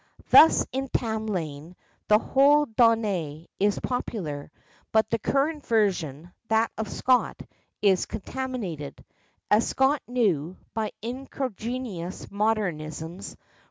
Thus, in Tamlane, the whole donnée is popular. But the current version, that of Scott, is contaminated, as Scott knew, by incongruous modernisms.